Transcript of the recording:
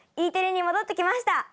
Ｅテレに戻ってきました。